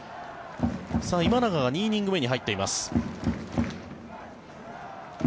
今永が２イニング目に入っています。